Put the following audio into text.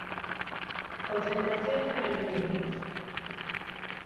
Concentración de mariñeiros.